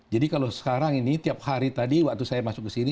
jadi kalau sekarang ini tiap hari tadi waktu saya masuk ke sini